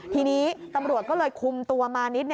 ทีนี้ตำรวจก็เลยคุมตัวมานิด